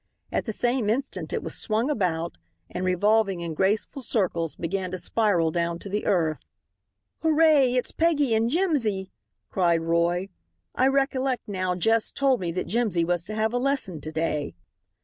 At the same instant it was swung about, and revolving in graceful circles began to spiral down to the earth. "Hooray! It's Peggy and Jimsy!" cried Roy. "I recollect now Jess told me that Jimsy was to have a lesson to day."